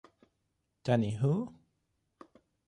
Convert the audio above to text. Dani Who?